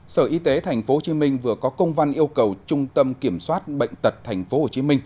sở y tế tp hcm vừa có công văn yêu cầu trung tâm kiểm soát bệnh tật tp hcm